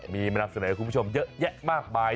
มีมานำเสนอคุณผู้ชมเยอะแยะมากมาย